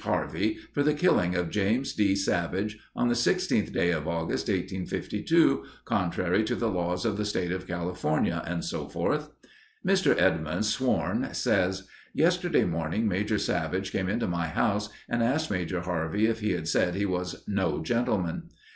Harvey, for the killing of James D. Savage, on the 16th day of August, 1852, contrary to the laws of the State of California, &c. Mr. Edmunds sworn, says—"Yesterday morning Major Savage came into my house and asked Major Harvey if he had said he was no gentleman.